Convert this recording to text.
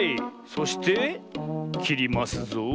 そしてきりますぞ。